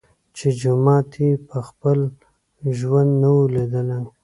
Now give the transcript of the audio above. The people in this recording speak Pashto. چي جومات یې په خپل ژوند نه وو لیدلی